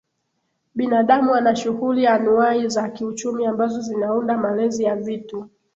Binadamu ana shughuli anuwai za kiuchumi ambazo zinaunda malezi ya vitu